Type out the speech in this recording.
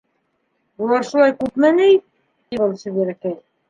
«Улар шулай күпме ни?» ти был сибәркәй.